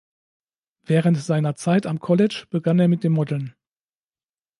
Während seiner Zeit am College begann er mit dem Modeln.